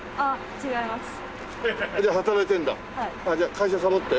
会社サボって？